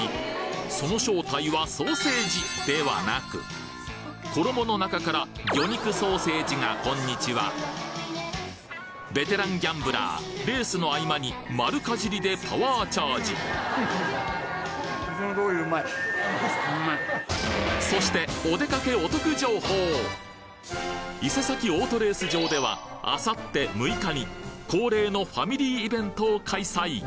その正体はソーセージではなく衣の中から魚肉ソーセージがこんにちはベテランギャンブラーレースの合間に丸かじりでパワーチャージそして伊勢崎オートレース場ではあさって６日に恒例のファミリーイベントを開催